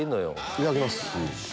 いただきます。